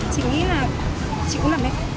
chị nghĩ là chị cũng là mẹ